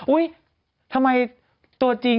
อุ้ยทำไมตัวจริง